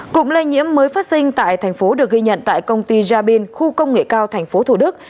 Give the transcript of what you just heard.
cục lây nhiễm mới phát sinh tại thành phố được ghi nhận tại công ty jabin khu công nghệ cao tp thủ đức